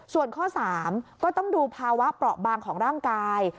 ส่วนข้อ๓ก็ต้องดูภาวะเปราะบางของร่างกาย